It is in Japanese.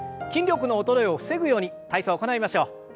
筋力の衰えを防ぐように体操行いましょう。